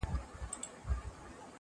یو کارګه وو څه پنیر یې وو غلا کړی؛